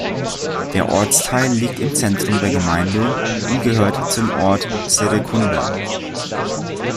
Der Ortsteil liegt im Zentrum der Gemeinde und gehört zum Ort Serekunda.